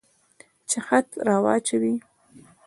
چې خط را واچوي.